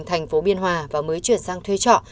thành phố biên hòa và mới chuyển sang thuê trọ